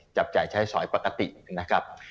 จับจ่ายใช้สอยปกตินะครับ